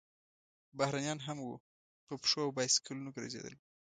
بهرنیان هم وو، په پښو او بایسکلونو ګرځېدل.